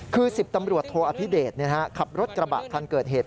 คือ๑๐ตำรวจโทอภิเดชขับรถกระบะคันเกิดเหตุ